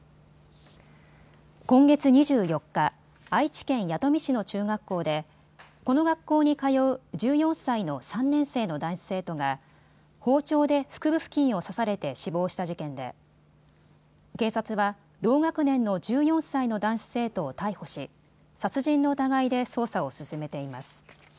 今月２４日、愛知県弥富市の中学校でこの学校に通う１４歳の３年生の男子生徒が包丁で腹部付近を刺されて死亡した事件で警察は同学年の１４歳の男子生徒を逮捕し、殺人の疑いで捜査を進めています。